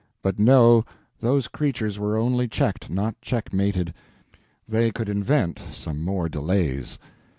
But no, those creatures were only checked, not checkmated; they could invent some more delays.